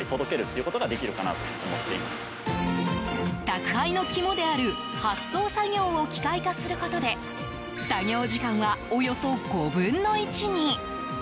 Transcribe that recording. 宅配の肝である発送作業を機械化することで作業時間は、およそ５分の１に。